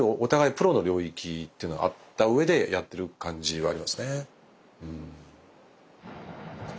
プロの領域っていうのがあった上でやってる感じはありますね。